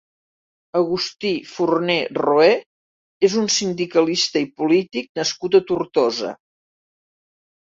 Agustí Forné Roé és un sindicalista i polític nascut a Tortosa.